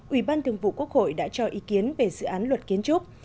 ủy ban thường vụ quốc hội đã cho ý kiến về dự án luật kiến trúc